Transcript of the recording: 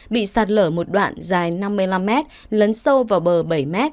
bị sạt lở một đoạn dài năm mươi năm mét lấn sâu vào bờ bảy m